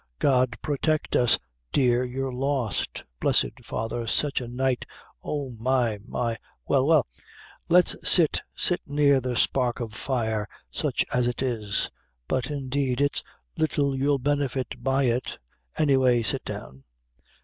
"God protect us, dear, you're lost! blessed father, sich a night! Oh! my, my! Well, well; sit near the spark o' fire, sich as it is; but, indeed, it's little you'll benefit by it. Any way, sit down."